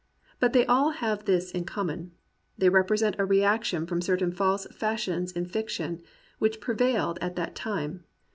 But they all have this in com mon: they represent a reaction from certain false fashions in fiction which prevailed at that time.